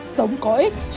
sống có ích cho vợ